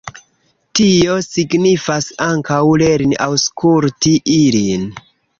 Tio signifas ankaŭ lerni aŭskulti ilin.